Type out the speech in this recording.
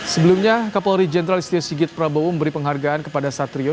sebelumnya kapolri jenderal istio sigit prabowo memberi penghargaan kepada satrio